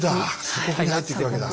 鎖国に入っていくわけだ。